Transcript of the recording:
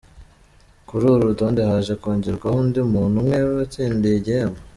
Kuri uru rutonde haje kongerwaho undi muntu umwe watsindiye igihembo.